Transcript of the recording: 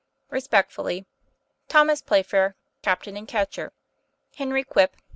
Respectfully, THOMAS PLAYFAIR, captain and c. HENRY QUIP, p.